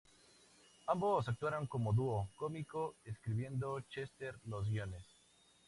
Ambos actuaron como dúo cómico, escribiendo Chester los guiones.